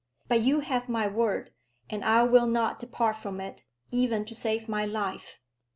But you have my word, and I will not depart from it, even to save my life.